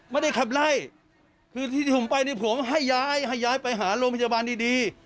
ไม่ได้ขับไล่คือที่ที่ผมไปนี่ผมให้ย้ายให้ย้ายไปหาโรงพยาบาลดี